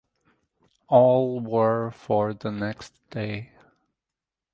All were for the next day.